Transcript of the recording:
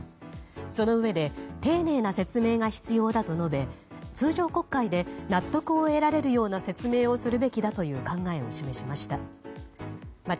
そのうえで丁寧な説明が必要だと述べ通常国会で納得を得られるような説明をするべきだという考えを示しました。